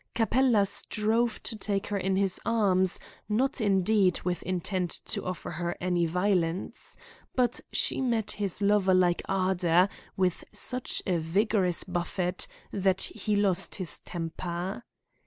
Capella strove to take her in his arms, not indeed with intent to offer her any violence; but she met his lover like ardour with such a vigorous buffet that he lost his temper.